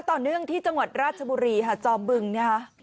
ต่อเนื่องที่จังหวัดราชบุรีค่ะจอมบึงนะคะ